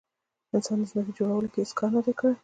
انسان د ځمکې په جوړولو کې هیڅ کار نه دی کړی.